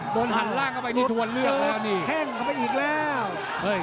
โดนหันล่างเข้าไปถึงเทวนเลื่องแล้วนี่